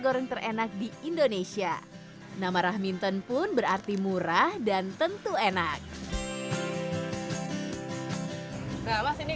goreng terenak di indonesia nama rahminton pun berarti murah dan tentu enak rawas ini